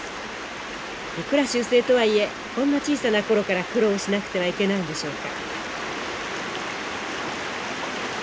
いくら習性とはいえこんな小さな頃から苦労しなくてはいけないんでしょうか。